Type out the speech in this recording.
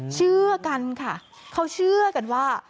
เชื่อกันค่ะเขาเชื่อกันว่า